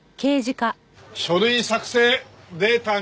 書類作成データ入力